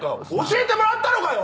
教えてもらったのかよ